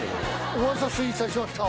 お待たせいたしました。